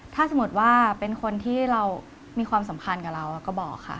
ถ้าสมมุติว่าเป็นคนที่เรามีความสัมพันธ์กับเราก็บอกค่ะ